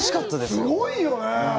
すごいよね。